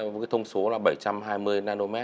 với thông số là bảy trăm hai mươi nm